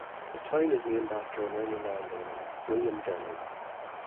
The town is named after an early landowner, William Denning.